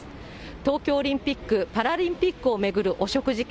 東京オリンピック・パラリンピックを巡る汚職事件。